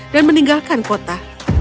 dan meninggalkan kota